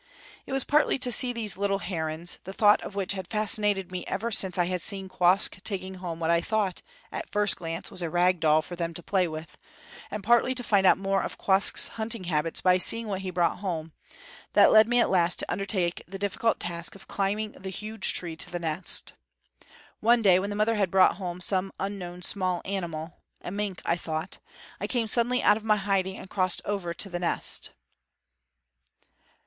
It was partly to see these little herons, the thought of which had fascinated me ever since I had seen Quoskh taking home what I thought, at first glance, was a rag doll for them to play with, and partly to find out more of Quoskh's hunting habits by seeing what he brought home, that led me at last to undertake the difficult task of climbing the huge tree to the nest. One day when the mother had brought home some unknown small animal a mink, I thought I came suddenly out of my hiding and crossed over to the nest.